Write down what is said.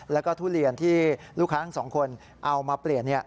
แล้วก็ทุเรียนที่ลูกค้าทั้งสองคนเอามาเปลี่ยน